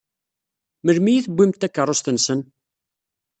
Melmi i tewwimt takeṛṛust-nsen?